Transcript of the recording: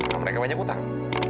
gak mereka banyak hutang